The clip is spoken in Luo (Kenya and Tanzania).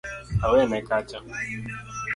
Awene kacha